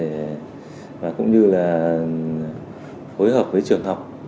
kết thì ký kết cũng như là phối hợp với trường học